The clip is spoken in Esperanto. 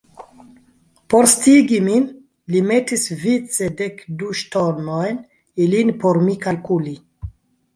Por sciigi min, li metis vice dekdu ŝtonojn, ilin por mi kalkuli.